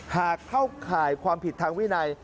เข้าข่ายความผิดทางวินัย